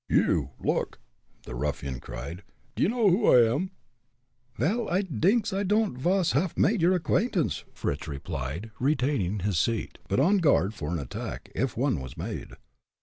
"You, look!" the ruffian cried. "D'ye know who I am?" "Vel, I dinks I don'd vas haff made your acquaintance!" Fritz replied, retaining his seat, but on guard for an attack, if one was made.